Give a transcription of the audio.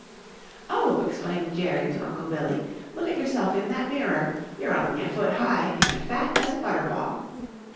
"Oh," exclaimed Jerry to Uncle Billy, "look at yourself in that mirror. You're only a foot high and fat as a butter ball."